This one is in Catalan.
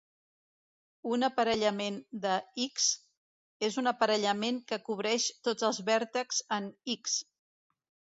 Un aparellament de "X" és un aparellament que cobreix tots els vèrtexs en "X".